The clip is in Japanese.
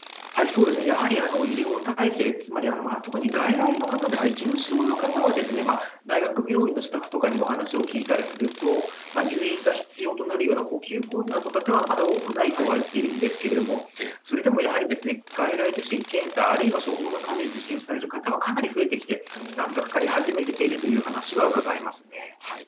やはり、医療体制、つまり特に外来の方ですね、重症の方はですね、大学病院のスタッフとかにも話を聞いたりすると、入院が必要となるような呼吸困難の方は、まだ多くないとは言っているんですけれども、それでもやはり、外来受診、検査、あるいは処方のため受診される方はかなり増えてきて、負担がかかり始めているという話はうかがいますね。